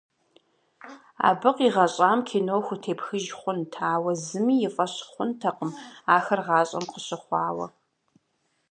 Абы къигъэщӏам кино хутепхыж хъунт, ауэ зыми и фӏэщ хъунтэкъым ахэр гъащӏэм къыщыхъуауэ.